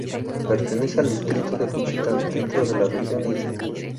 Pertenece al distrito de Juchitán, dentro de la región Istmo.